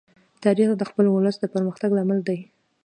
تاریخ د خپل ولس د پرمختګ لامل دی.